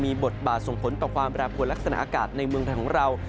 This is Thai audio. มีบทบาทส่งผลต่อความแปรปวดลักษณะอากาศในเมืองไทยของเรา